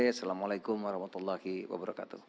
assalamu'alaikum warahmatullahi wabarakatuh